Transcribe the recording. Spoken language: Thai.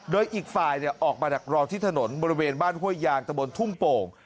โดยอีกฝ่ายออกมาดักรอที่ถนนบริเวณบ้านห้วยยางตะบนทุ่งโป่ง